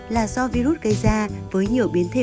là do virus gây ra với nhiều biến thể